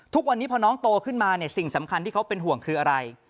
ทุกวันนี้พอน้องโตขึ้นมาเนี่ยสิ่งสำคัญที่เขาเป็นห่วงคืออะไร